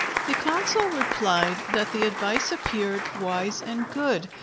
The consul replied that the advice appeared wise and good.